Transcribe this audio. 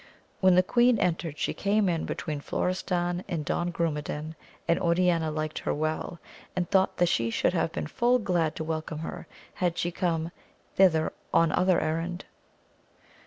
When the queen entered she came in between Florestan and Don Grumedan, and Oriana liked her well, and thought that she should have been full glad to welcome her had she come thither on other errand.